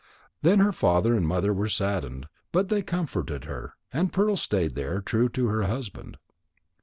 Then her father and mother were saddened, but they comforted her, and Pearl stayed there, true to her husband.